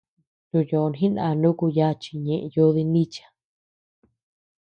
Ntú yòò jiná nuku yachi ñeʼe yúdi nícha.